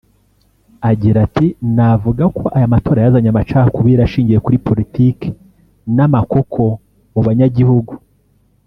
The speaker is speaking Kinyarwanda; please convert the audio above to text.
Agira ati “Navuga ko aya matora yazanye amacakubiri ashingiye kuri politike n’amakoko mu banyagihugu